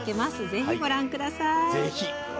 ぜひご覧ください。